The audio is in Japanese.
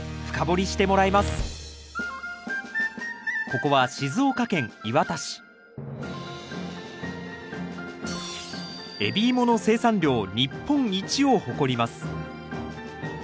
ここは海老芋の生産量日本一を誇ります。